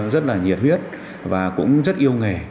rất là nhiệt huyết và cũng rất yêu nghề